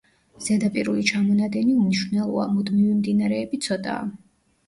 ზედაპირული ჩამონადენი უმნიშვნელოა; მუდმივი მდინარეები ცოტაა.